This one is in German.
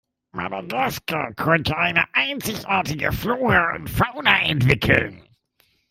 Madagaskar konnte eine einzigartige Flora und Fauna entwickeln.